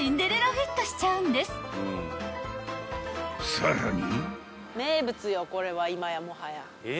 ［さらに］